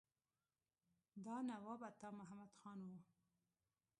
دا نواب عطا محمد خان وو.